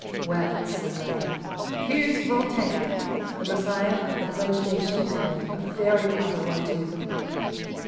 " Well," said Lamb, " here's Voltaire — ^the Messiah of the French nation, and a very proper one too."